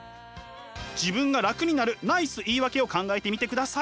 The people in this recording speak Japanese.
自分が楽になるナイス言い訳を考えてみてください。